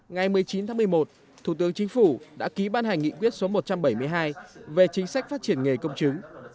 ngày một mươi chín tháng một mươi một thủ tướng chính phủ đã ký ban hành nghị quyết số một trăm bảy mươi hai về chính sách phát triển nghề công chứng